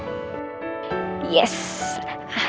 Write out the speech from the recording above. akhirnya gue berhasil bikin davin sama rara putus